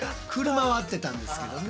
車はあってたんですけどね。